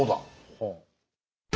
ほう。